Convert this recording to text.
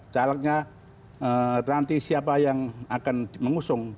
calegnya nanti siapa yang akan mengusung